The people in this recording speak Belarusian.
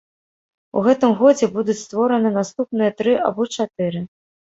У гэтым годзе будуць створаны наступныя тры або чатыры.